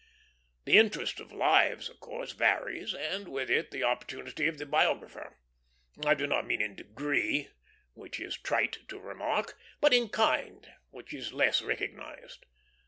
The interest of lives, of course, varies, and with it the opportunity of the biographer. I do not mean in degree, which is trite to remark, but in kind, which is less recognized.